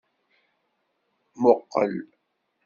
Mmuqqel!